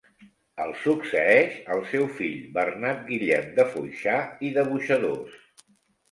El succeeix el seu fill Bernat Guillem de Foixà i de Boixadors.